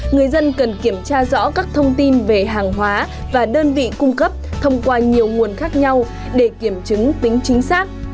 người dân cần kiểm tra rõ các thông tin về hàng hóa và đơn vị cung cấp thông qua nhiều nguồn khác nhau để kiểm chứng tính chính xác